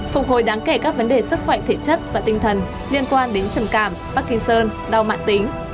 phục hồi đáng kể các vấn đề sức khỏe thể chất và tinh thần liên quan đến trầm cảm parkinson đau mạng tính